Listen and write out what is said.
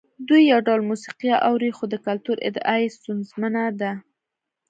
دوی یو ډول موسیقي اوري خو د کلتور ادعا یې ستونزمنه ده.